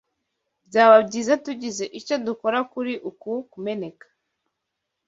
Byaba byiza tugize icyo dukora kuri uku kumeneka.